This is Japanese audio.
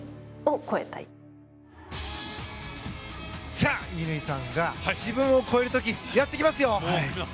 さあ、乾さんが自分を超える時やってきますよ！